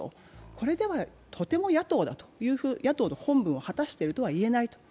これではとても野党の本文を果たしているとは言えないと。